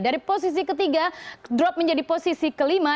dari posisi ketiga drop menjadi posisi kelima